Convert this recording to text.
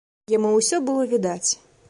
Яму ўсё было відаць.